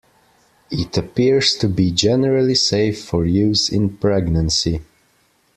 It appears to be generally safe for use in pregnancy.